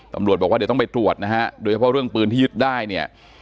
ตำรวจบอกว่าเดี๋ยวต้องไปตรวจนะฮะโดยเฉพาะเรื่องปืนที่ยึดได้เนี่ย